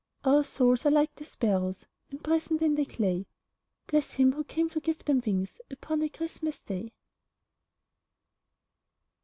Our souls are like the sparrows Imprisoned in the clay, Bless Him who came to give them wings Upon a Christmas Day!